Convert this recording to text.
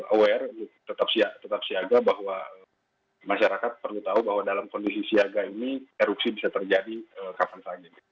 aware tetap siaga bahwa masyarakat perlu tahu bahwa dalam kondisi siaga ini erupsi bisa terjadi kapan saja